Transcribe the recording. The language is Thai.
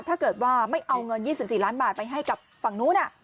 ถ้าเกิดว่าไม่เอาเงิน๒๔ล้านบาทไปให้กับฝั่งนู้น